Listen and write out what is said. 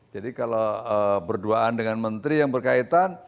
jadi kalau berduaan dengan menteri yang berkaitan